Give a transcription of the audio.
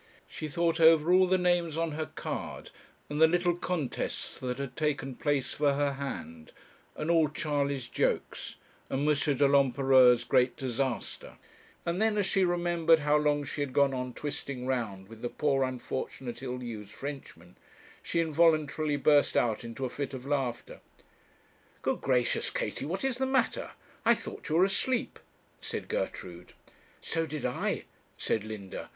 She thought over all the names on her card, and the little contests that had taken place for her hand, and all Charley's jokes, and M. de l'Empereur's great disaster; and then as she remembered how long she had gone on twisting round with the poor unfortunate ill used Frenchman, she involuntarily burst out into a fit of laughter. 'Good gracious, Katie, what is the matter? I thought you were asleep,' said Gertrude. 'So did I,' said Linda.